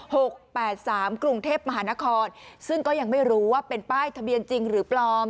หกแปดสามกรุงเทพมหานครซึ่งก็ยังไม่รู้ว่าเป็นป้ายทะเบียนจริงหรือปลอม